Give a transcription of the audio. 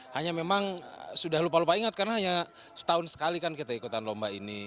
hanya memang sudah lupa lupa ingat karena hanya setahun sekali kan kita ikutan lomba ini